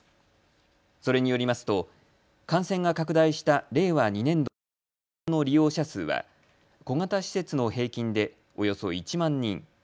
それによりますと感染が拡大した令和２年度の年間の利用者数は小型施設の平均でおよそ１万人。